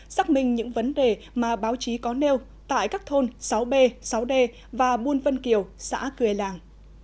xác minh những vấn đề mà báo chí có nêu tại các thôn sáu b sáu d và buôn vân kiều xã cưới làng